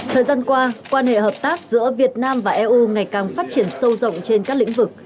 thời gian qua quan hệ hợp tác giữa việt nam và eu ngày càng phát triển sâu rộng trên các lĩnh vực